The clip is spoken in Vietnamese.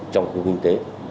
trong khu kinh tế